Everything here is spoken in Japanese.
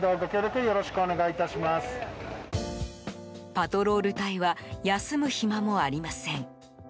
パトロール隊は休む暇もありません。